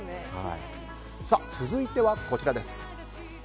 続いては、こちらです。